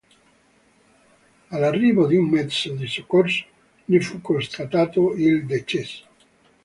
All'arrivo di un mezzo di soccorso, ne fu constatato il decesso.